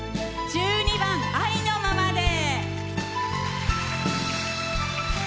１２番「愛のままで」。